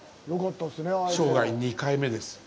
生涯、２回目です。